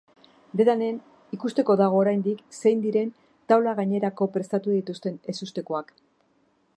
Dena den, ikusteko dago oraindik zein diren taula gainerako prestatu dituzten ezustekoak.